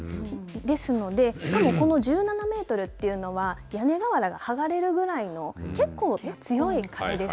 ですのでしかもこの１７メートルというのは屋根瓦がはがれるぐらいの結構、強い風です。